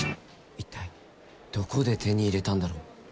一体どこで手に入れたんだろう。